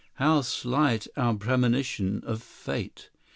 How slight our premonition of fate!